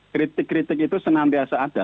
kritik kritik itu senantiasa ada